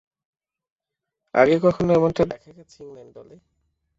আগে কখনো এমনটা দেখা গেছে ইংল্যান্ড দলে?